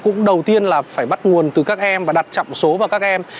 cũng đầu tiên là phải bắt nguồn từ các em và đặt trọng số vào các em